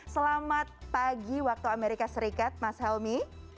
selamat pagi waktu amerika serikat mas helmi